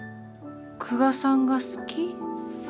久我さんが好き。